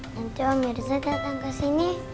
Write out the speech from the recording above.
nanti om mirza datang kesini